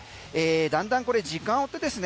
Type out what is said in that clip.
だんだん時間を追ってですね